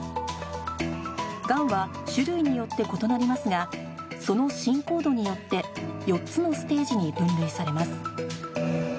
がんは種類によって異なりますがその進行度によって４つのステージに分類されます